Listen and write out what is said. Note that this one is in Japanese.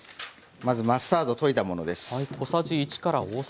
まずマスタードを溶いたものです。